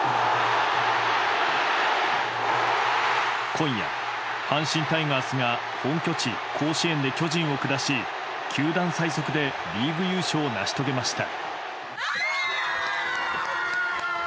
今夜、阪神タイガースが本拠地・甲子園で巨人を下し球団最速でリーグ優勝を成し遂げました。